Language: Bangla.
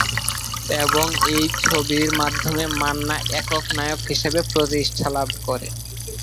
এবং এই ছবির মাধ্যমে মান্না একক নায়ক হিসেবে প্রতিষ্ঠা লাভ করে।